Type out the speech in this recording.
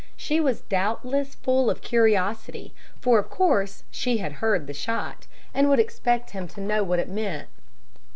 She was doubtless full of curiosity, for of course she had heard the shot, and would expect him to know what it meant.